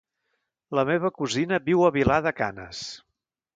La meva cosina viu a Vilar de Canes.